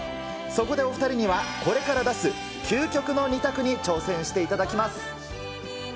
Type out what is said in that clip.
そこでお２人には、これから出す究極の２択に挑戦していただきます。